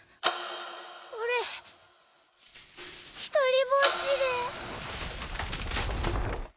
俺独りぼっちで。